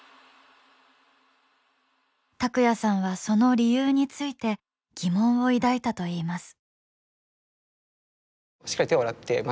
たくやさんは、その理由について疑問を抱いたといいます。